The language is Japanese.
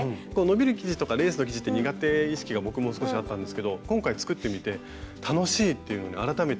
伸びる生地とかレースの生地って苦手意識が僕も少しあったんですけど今回作ってみて楽しいっていうのに改めて気が付きました。